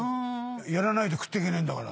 やらないと食ってけねえんだから。